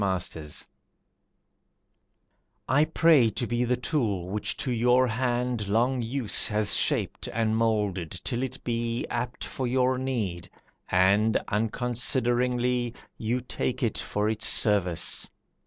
A Petition I pray to be the tool which to your hand Long use has shaped and moulded till it be Apt for your need, and, unconsideringly, You take it for its service.